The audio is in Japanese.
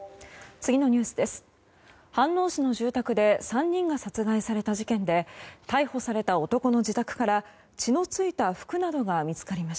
次のニュースです。